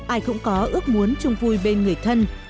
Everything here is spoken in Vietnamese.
ai cũng có ước muốn chung vui bên người thân